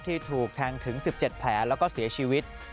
ถูกแทงถึง๑๗แผลแล้วก็เสียชีวิต